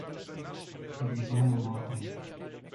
"Wiedziałem o tem."